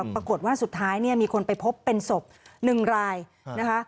ปรากฏว่าสุดท้ายเนี่ยมีคนไปพบเป็นศพ๑รายนะคะ